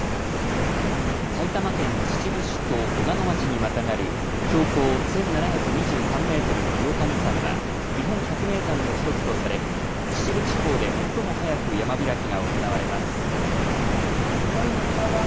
埼玉県秩父市と小鹿野町にまたがる標高１７２３メートルの両神山は日本百名山の１つとされ、秩父地方で最も早く山開きが行われます。